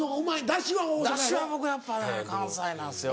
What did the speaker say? ダシは僕やっぱね関西なんですよ。